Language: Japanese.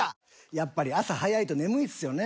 やっぱり朝早いと眠いっすよね